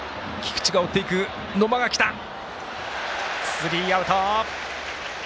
スリーアウト。